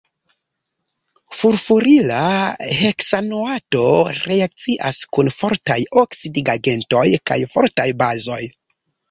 Furfurila heksanoato reakcias kun fortaj oksidigagentoj kaj fortaj bazoj.